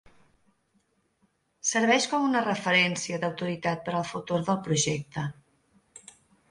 Serveix com una referència d'autoritat per al futur del projecte.